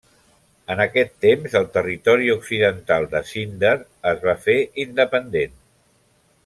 En aquest temps el territori occidental de Zinder es va fer independent.